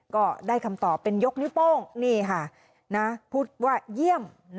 ก็ได้คำตอบเป็นยกนิ้วโป้งนี่ค่ะพูดว่าเยี่ยม